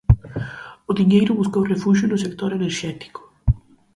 O diñeiro buscou refuxio no sector enerxético.